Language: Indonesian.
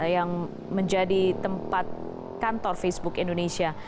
yang menjadi tempat kantor facebook indonesia